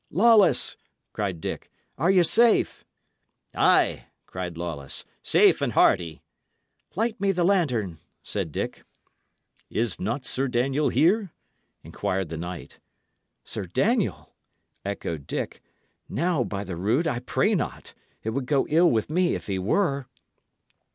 "Lawless," cried Dick, "are ye safe?" "Ay," cried Lawless, "safe and hearty." "Light me the lantern," said Dick. "Is not Sir Daniel here?" inquired the knight. "Sir Daniel?" echoed Dick. "Now, by the rood, I pray not. It would go ill with me if he were."